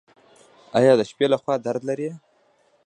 ایا د شپې لخوا درد لرئ؟